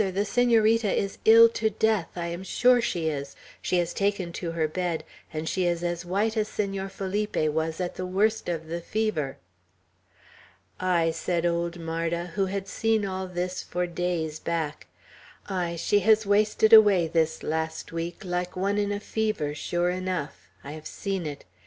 the Senorita is ill to death. I am sure she is. She has taken to her bed; and she is as white as Senor Felipe was at the worst of the fever." "Ay," said old Marda, who had seen all this for days back; "ay, she has wasted away, this last week, like one in a fever, sure enough; I have seen it.